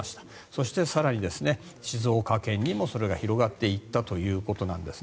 そして更に、静岡県にもそれが広がっていったということです。